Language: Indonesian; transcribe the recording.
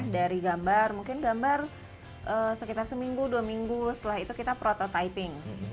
dari gambar mungkin gambar sekitar seminggu dua minggu setelah itu kita prototyping